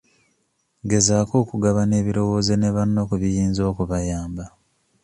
Gezaako okugabana ebirowoozo ne banno ku biyinza okubayamba.